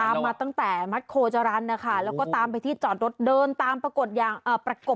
ตามมาตั้งแต่แม็กโครจรรย์แล้วก็ตามไปที่จอดรถเดินตามประกบอย่างกระชั้นทิศเลยนะคะ